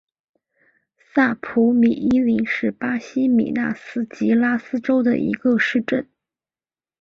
萨普卡伊米林是巴西米纳斯吉拉斯州的一个市镇。